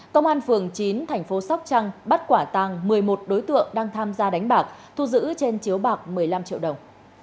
công an phường chín thành phố sóc trăng bắt quả tàng một mươi một đối tượng đang tham gia đánh bạc thu giữ trên chiếu bạc một mươi năm triệu đồng